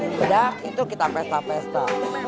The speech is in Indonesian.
tidak itu kita pesta pesta